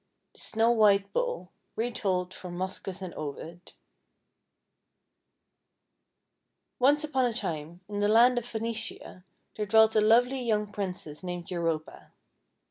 THE SNOW WHITE BULL Retold from Moschus and Ovid ONCE upon a time, in the land of Phoenicia, there dwelt a lovely young Princess named Europa.